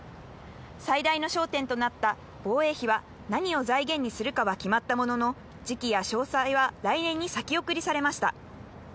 最大の焦点となった防衛費は何を財源にするかは決まったものの、時期や詳細は来年に先送りされました。